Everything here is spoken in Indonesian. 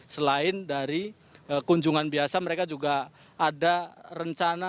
selain dari kunjungan biasa mereka juga ada rencana